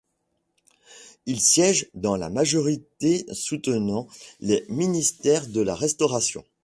Il siège dans la majorité soutenant les ministères de la Restauration.